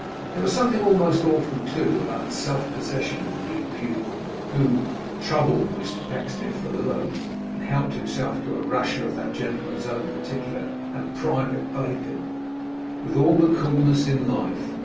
There was something almost awful, too, about the self possession of the new pupil; who 'troubled' Mr Pecksniff for the loaf, and helped himself to a rasher of that gentleman's own particular and private bacon, with all the coolness in life.